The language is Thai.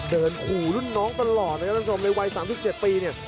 เดินขู่ลุ่นน้องตลอดนะครับรับทรงเรียนวัย๓๗ปีเนี่ย